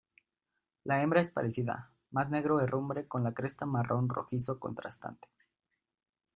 La hembra es parecida, más negro herrumbre con la cresta marrón rojizo contrastante.